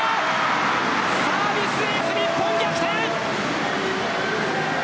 サービスエース！日本逆転！